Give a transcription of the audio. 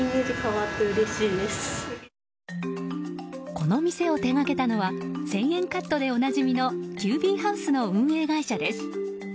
この店を手掛けたのは１０００円カットでおなじみのＱＢハウスの運営会社です。